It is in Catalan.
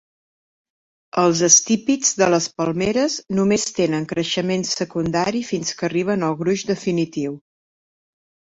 Els estípits de les palmeres només tenen creixement secundari fins que arriben al gruix definitiu.